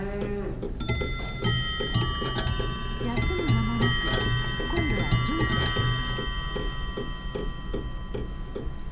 休む間もなく今度は牛舎へ。